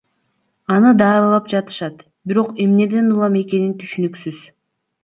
Аны даарылап жатышат, бирок эмнеден улам экени түшүнүксүз.